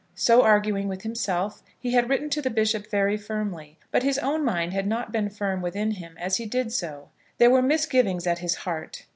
So arguing with himself, he had written to the bishop very firmly; but his own mind had not been firm within him as he did so. There were misgivings at his heart.